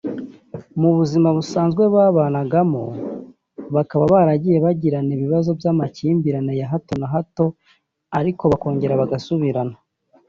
Mu buzima busanzwe babanagamo bakaba baragiye bagirana ibibazo by’amakimbirane ya hato na hato ariko bakongera bagasubirana